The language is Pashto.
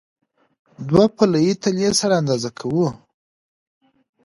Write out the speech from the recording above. دوه پله یي تلې سره اندازه کوو.